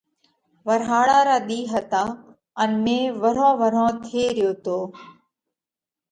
ورهاۯا را ۮِي هتا ان مي ورهون ورهون ٿي ريو تو۔